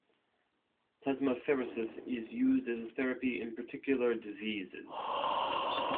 Plasmapheresis is used as a therapy in particular diseases.